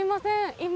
今。